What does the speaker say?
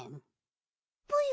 ぽよ？